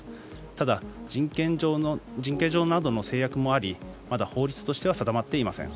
ただ、人権上などの制約もありまだ法律としては定まっていません。